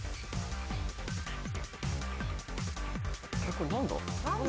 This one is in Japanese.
これ何だ？